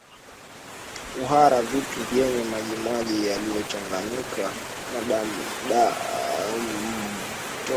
Kuhara vitu vyenye majimaji yaliyochanganyika na damuambayo hutoa harufu mbaya